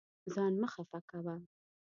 ځان مه خفه کوه.